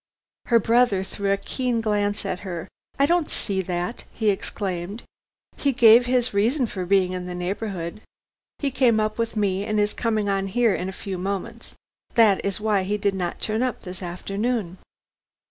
Her brother threw a keen glance at her. "I don't see that!" he exclaimed. "He gave his reason for being in the neighborhood. He came up with me, and is coming on here in a few moments. This is why he did not turn up this afternoon."